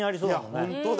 本当だ。